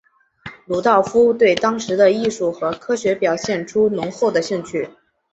鲁道夫对当时的艺术和科学表现出浓厚的兴趣。